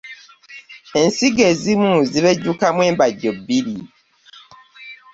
Ensigo ezimu zibejjukamu embajjo biri.